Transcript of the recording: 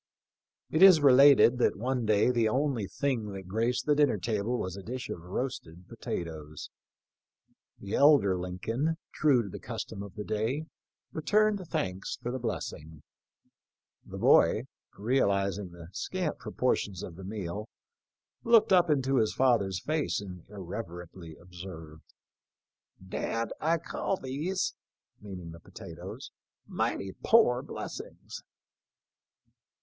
It is related that one day the only thing that graced the dinner table was a dish of roasted potatoes. The elder Lincoln, true to the custom of the day, returned thanks for the blessing. The boy, realizing the scant proportions of the meal, looked up into his father's face and irreverently observed, " Dad, I call these "— meaning the potatoes —" mighty poor bless ings."